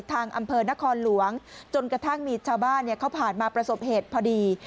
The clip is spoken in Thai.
อำเภอนครหลวงจนกระทั่งมีชาวบ้านเขาผ่านมาประสบเหตุพอดี